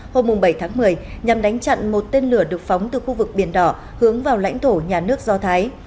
hôm bảy tháng một mươi nhằm đánh chặn một tên lửa được phóng từ khu vực biển đỏ hướng vào lãnh thổ nhà nước do thái